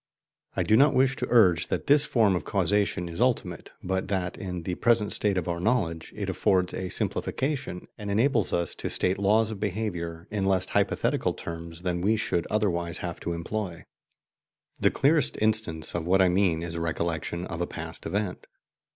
I do not wish to urge that this form of causation is ultimate, but that, in the present state of our knowledge, it affords a simplification, and enables us to state laws of behaviour in less hypothetical terms than we should otherwise have to employ. The clearest instance of what I mean is recollection of a past event.